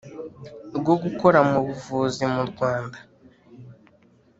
rwo gukora mu buvuzi mu Rwanda